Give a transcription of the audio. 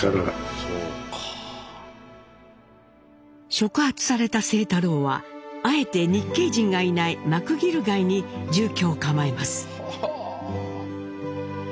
触発された清太郎はあえて日系人がいないマクギル街に住居を構えます。